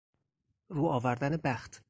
رو آوردن بخت